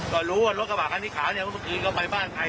ก่อนรู้ว่ารถกับขาที่ขาเนี่ยคุณผู้ถือก็ไปบ้านใคร